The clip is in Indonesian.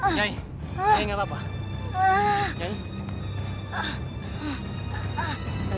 nyai nyai gak apa apa